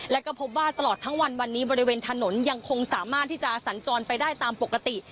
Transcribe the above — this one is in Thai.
และก็พบว่าตลอดทั้งวันวันนี้บริเวณถนนยังคงสามารถที่จะสัญจรไปได้ตามปกติ